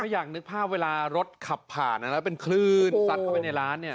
อยากนึกภาพเวลารถขับผ่านแล้วเป็นคลื่นซัดเข้าไปในร้านเนี่ย